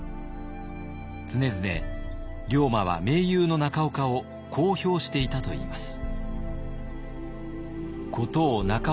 常々龍馬は盟友の中岡をこう評していたといいます。